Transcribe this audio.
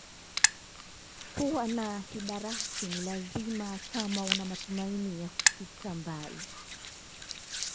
Kuwa na hidarati ni lazima kama una matumaini ya kufika mbali